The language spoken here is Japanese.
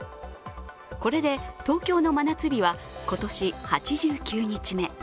これで東京の真夏日は今年８９日目。